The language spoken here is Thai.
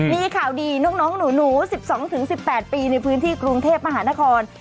มีข่าวดีน้องหนู๑๒๑๘ปีในพื้นที่กรุงเทพมหานคร